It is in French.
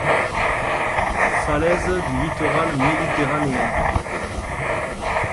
Falaises du littoral méditerranéen.